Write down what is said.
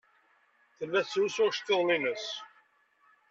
Tella tettlusu iceḍḍiḍen-nnes.